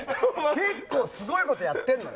結構すごいことやってんのよ。